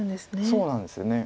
そうなんですよね。